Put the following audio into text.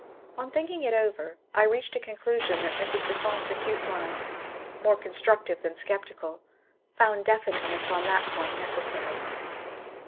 On thinking it over, I reached a conclusion that Mrs. Besant's acute mind, more constructive than sceptical, found definite ness on that point necessary.